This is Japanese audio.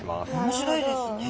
面白いですね。